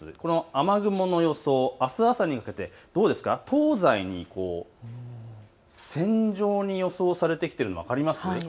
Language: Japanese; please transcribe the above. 雨雲の予想、あす朝にかけて東西に線状に予想されてきているのが分かりますか。